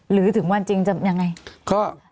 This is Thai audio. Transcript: หรือถึงวันจริงจะยังไง